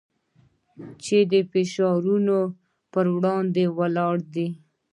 چې د فشارونو پر وړاندې ولاړ دی.